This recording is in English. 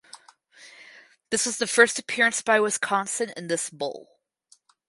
This was the first appearance by Wisconsin in this bowl.